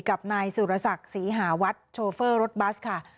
กับนายสุรศักดิ์ศรีหาวัดโชเฟอร์รถบัสค่ะ